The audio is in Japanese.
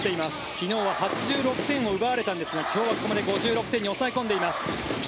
昨日は８６点を奪われたんですが今日はここまで５６得点に抑え込んでいます。